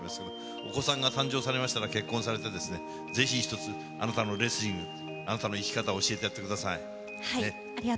お子さんが誕生されましたら、結婚されて、ぜひ一つ、あなたのレスリング、あなたの生き方を教えてやってください。